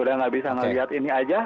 udah nggak bisa melihat ini aja